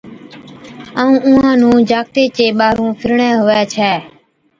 ائُون اُونھان نُون جاکَتي چي ٻاھرُون ڦِرڻي ھُوي ڇَي